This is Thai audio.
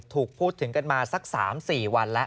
ถูกพูดถึงกันมาสัก๓๔วันแล้ว